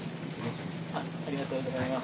ありがとうございます。